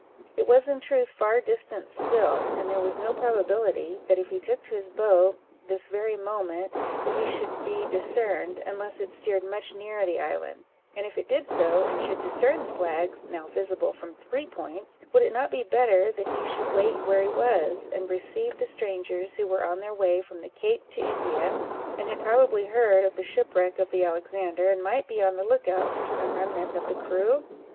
It was in truth far distant still; and there was no probability that if he took to his boat, this very moment, that he should be discerned, unless it steered much nearer the island; and if it did so, and should discern the flags, now visible from three points, would it not be better that he should wait where he was, and receive the strangers, who were on their way from the Cape to India, and had probably heard of the shipwreck of the Alexander, and might be on the look out for some remnant of the crew?